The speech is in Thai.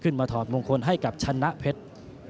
ขึ้นมาถอดโมงคลให้กับชานะเพชร